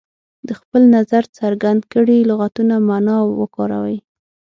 د خپل نظر څرګند کړئ لغتونه معنا او وکاروي.